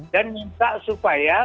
dan minta supaya